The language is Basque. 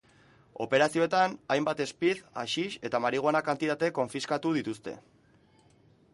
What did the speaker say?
Operazioetan hainbat speed, haxix eta marihuana kantitate konfiskatu dituzte.